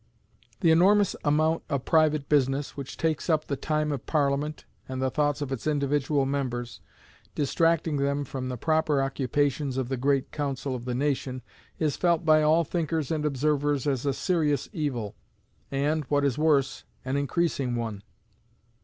The enormous amount of private business which takes up the time of Parliament and the thoughts of its individual members, distracting them from the proper occupations of the great council of the nation, is felt by all thinkers and observers as a serious evil, and, what is worse, an increasing one.